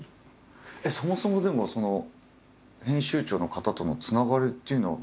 そもそもでもその編集長の方とのつながりっていうのは？